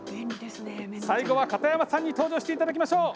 最後は片山さんに登場していただきましょう。